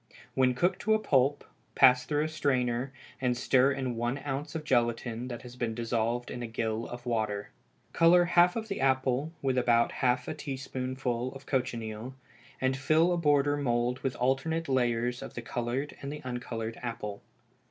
When cooked to a pulp, pass through a strainer, and stir in one ounce of gelatine that has been dissolved in a gill of water. Color half the apple with about half a teaspoonful of cochineal, and fill a border mould with alternate layers of the colored and uncolored apple.